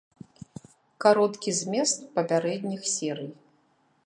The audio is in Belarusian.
Кароткі змест папярэдніх серый.